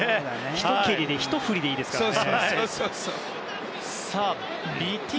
ひと蹴りで、ひと振りでいいですからね。